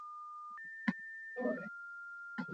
ya wananchi waliojitokeza ni kubwa tofauti